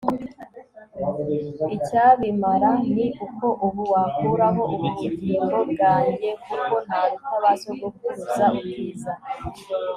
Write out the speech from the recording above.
Icyabimara ni uko ubu wakuraho ubugingo bwanjye kuko ntaruta ba sogokuruza ubwiza